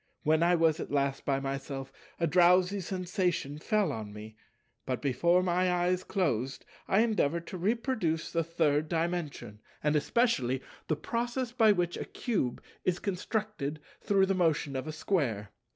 When I was at last by myself, a drowsy sensation fell on me; but before my eyes closed I endeavoured to reproduce the Third Dimension, and especially the process by which a Cube is constructed through the motion of a Square.